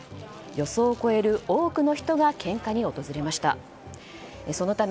予想を超える多くの人が献花に訪れました。